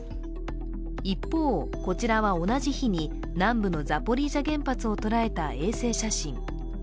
一方、こちらは同じ日に南部のザポリージャ原発を捉えた衛星写真。